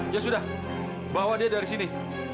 ya sudah bawa dia dari sini